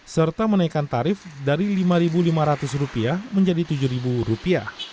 serta menaikkan tarif dari rp lima lima ratus menjadi rp tujuh